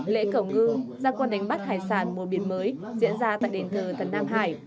lễ cầu ngư gia quân đánh bắt hải sản mùa biển mới diễn ra tại đền thờ tân nam hải